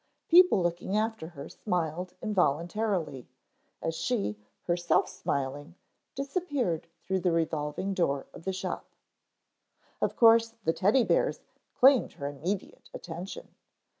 People looking after her smiled involuntarily, as she, herself smiling, disappeared through the revolving door of the shop. Of course the Teddy bears claimed her immediate attention.